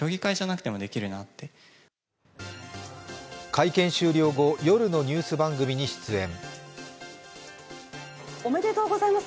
会見終了後、夜のニュース番組に出演。